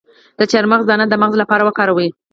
د چارمغز دانه د مغز لپاره وکاروئ